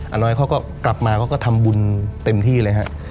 น้อยเขาก็กลับมาเขาก็ทำบุญเต็มที่เลยฮะ